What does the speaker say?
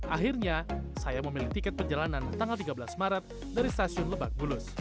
akhirnya saya memilih tiket perjalanan tanggal tiga belas maret dari stasiun lebak bulus